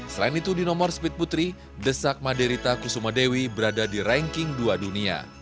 selain itu di nomor speed putri desak maderita kusuma dewi berada di ranking dua dunia